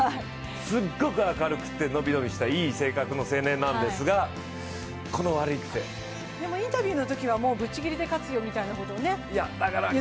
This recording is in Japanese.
すっごく明るくて伸び伸びしたいい性格の青年なんですがでもインタビューのときはぶっちぎりで勝つよなんて言ってましたね。